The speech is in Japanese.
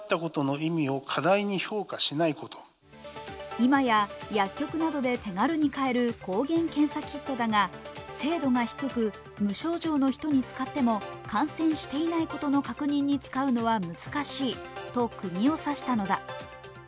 今や、薬局などで手軽に買える抗原検査キットだが精度が低く無症状の人に使っても感染していないことの確認に使うのは難しいとくぎを刺したのだ。